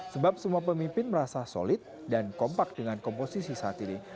sebab semua pemimpin merasa solid dan kompak dengan komposisi saat ini